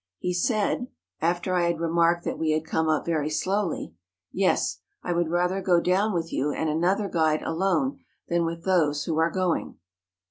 He said, after I had remarked that we had come up very slowly, ' Yes ; I would rather go down with you and another guide alone than with those who are going.